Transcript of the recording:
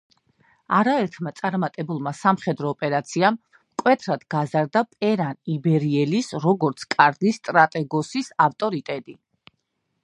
არაერთმა წარმატებულმა სამხედრო ოპერაციამ მკვეთრად გაზარდა პერან იბერიელის, როგორც კარგი სტრატეგოსის ავტორიტეტი.